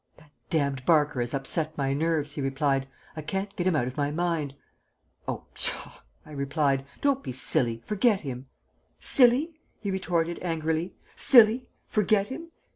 "That d ned Barker has upset my nerves," he replied. "I can't get him out of my mind." "Oh, pshaw!" I replied. "Don't be silly. Forget him." "Silly?" he retorted, angrily. "Silly? Forget him?